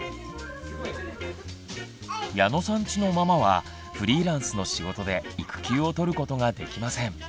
矢野さんちのママはフリーランスの仕事で育休を取ることができません。